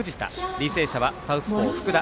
履正社はサウスポー、福田。